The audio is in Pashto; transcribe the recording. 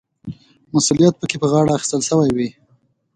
مسوولیت پکې په غاړه اخیستل شوی وي.